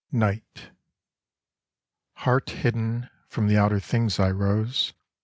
Uiflfct HEART HIDDEN from the outer things I rose